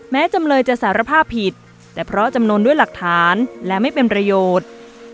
จำเลยจะสารภาพผิดแต่เพราะจำนวนด้วยหลักฐานและไม่เป็นประโยชน์